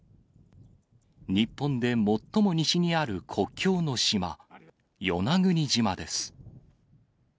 日本で最も西にある国境の島、与那国島です。